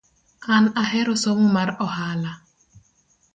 An ahero somo mar ohala